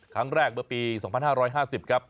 ครั้งแรกเมื่อปี๒๕๕๐ครับ